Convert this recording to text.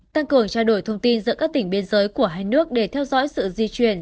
tăng cường trao đổi thông tin giữa các tỉnh biên giới của hai nước để theo dõi sự di chuyển